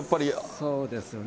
そうですよね。